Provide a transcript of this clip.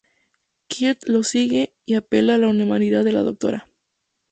Kirk lo sigue y apela a la humanidad de la Dra.